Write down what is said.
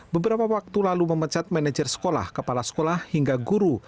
beberapa waktu lalu memecat manajer sekolah kepala sekolah hingga guru